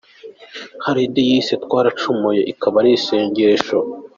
Hari indi yise Twaracumuye, ikaba ari isengesho.